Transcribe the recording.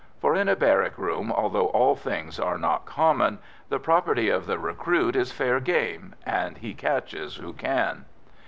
For, in a barrack room, although all things are not common, the property of the recruit is fair game, and he catches who can.